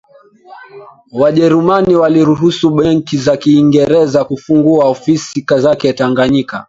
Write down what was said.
wajerumani waliruhusu benki za kiingereza kufungua ofisi zake tanganyika